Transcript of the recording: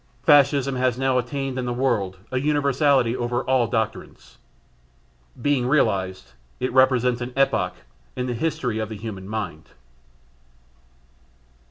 Fascism has now attained in the world an universality over all doctrines. Being realised, it represents an epoch in the history of the human mind.